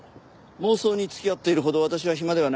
妄想に付き合っているほど私は暇ではない。